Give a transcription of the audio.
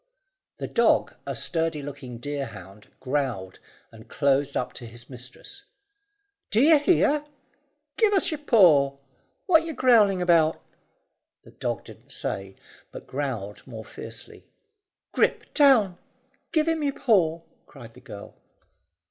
The dog, a sturdy looking deerhound, growled, and closed up to his mistress. "D'ye hear? Give's your paw. What yer growling about?" The dog didn't say, but growled more fiercely. "Grip, down! Give him your paw," cried the girl.